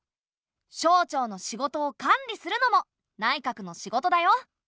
省庁の仕事を管理するのも内閣の仕事だよ。